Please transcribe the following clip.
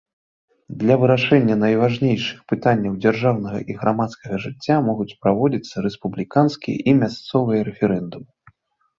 Для вырашэння найважнейшых пытанняў дзяржаўнага і грамадскага жыцця могуць праводзіцца рэспубліканскія і мясцовыя рэферэндумы.